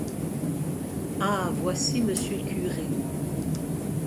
Ah! voici monsieur le curé.